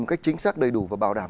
một cách chính xác đầy đủ và bảo đảm